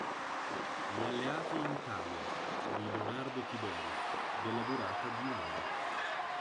Gli alleati in Italia" di Leonardo Tiberi, della durata di un'ora.